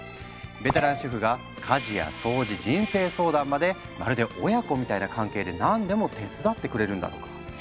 ベテラン主婦が家事や掃除人生相談までまるで親子みたいな関係で何でも手伝ってくれるんだとか。